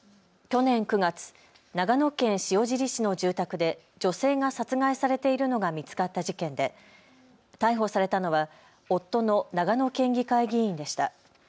去年９月、長野県塩尻市の住宅で女性が殺害されているのが見つかった事件で逮捕されたのは夫の長野県議会議員でした。